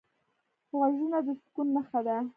غوږونه د سکون نښه ده